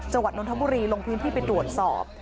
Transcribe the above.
นนทบุรีลงพื้นที่ไปตรวจสอบ